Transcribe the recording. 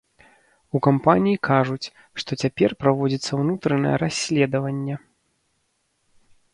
У кампаніі кажуць, што цяпер праводзіцца ўнутранае расследаванне.